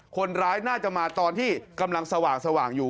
คนร้ายน่าจะมาตอนที่กำลังสว่างอยู่